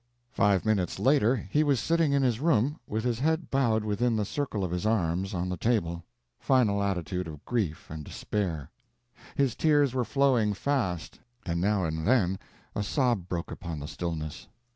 Five minutes later he was sitting in his room, with his head bowed within the circle of his arms, on the table—final attitude of grief and despair. His tears were flowing fast, and now and then a sob broke upon the stillness.